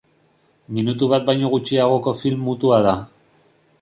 Minutu bat baino gutxiagoko film mutua da.